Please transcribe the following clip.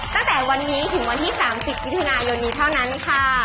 ตั้งแต่วันนี้ถึงวันที่๓๐มิถุนายนนี้เท่านั้นค่ะ